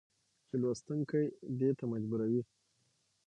چې لوستونکى دې ته مجبور وي